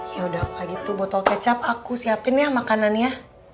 yaudah apa gitu botol kecap aku siapin ya makanannya